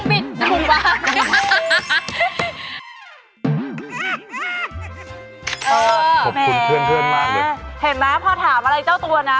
เห็นไหมพอถามอะไรเจ้าตัวนะ